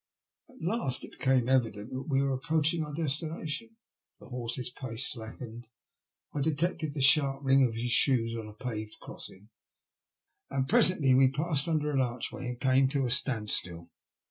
At last it became evident that we were approaching our destination. The horse's pace slackened ; I detected the sharp ring of his shoes on a paved crossing, and presently we passed under an archway and came to a standstill.